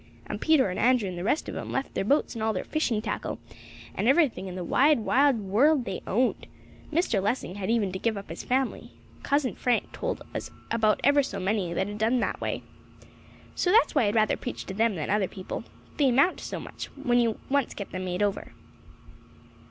And Peter and Andrew and the rest of 'em left their boats and all their fishing tackle, and every thing in the wide world that they owned. Mr. Lessing had even to give up his family. Cousin Frank told us about ever so many that had done that way. So that's why I'd rather preach to them than other people. They amount to so much when you once get them made over."